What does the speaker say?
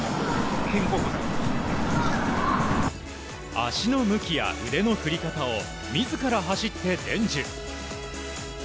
足の向きや腕の振り方を自ら走って伝授。